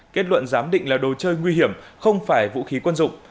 kết luận giám định là đồ chơi nguy hiểm không phải vũ khí quân dụng